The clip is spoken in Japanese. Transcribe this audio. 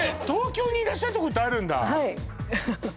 東京にいらっしゃったことあるんだ？